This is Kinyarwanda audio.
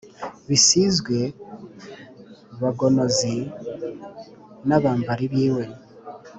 Bisizwe Bagonozi n’abambari biwe